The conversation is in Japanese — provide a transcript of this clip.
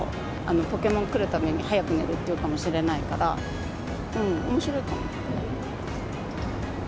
ポケモン来るために早く寝るって言うかもしれないから、おもしろいかも。ね？